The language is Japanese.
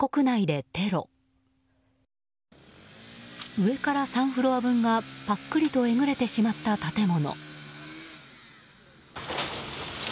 上から３フロア分がぱっくりとえぐれてしまった建物。